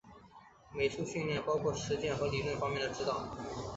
美术训练包括实践和理论方面的指导。